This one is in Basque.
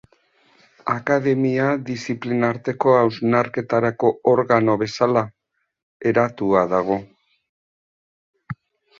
Akademia diziplinarteko hausnarketarako organo bezala eratua dago.